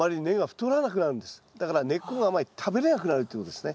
だから根っこがあまり食べれなくなるっていうことですね。